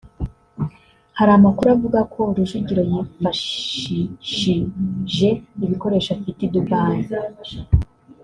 Hari amakuru avuga ko Rujugiro yifashishije ibikoresho afite i Dubai